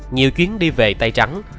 nhiều chuyến đi về tay trắng